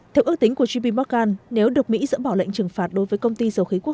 theo ước tính của gb mccan nếu được mỹ dỡ bỏ lệnh trừng phạt đối với công ty dầu khí quốc